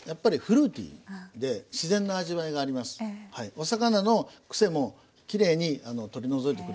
お魚のクセもきれいに取り除いてくれるように思うので。